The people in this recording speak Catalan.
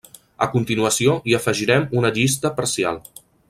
A continuació hi afegirem una llista parcial.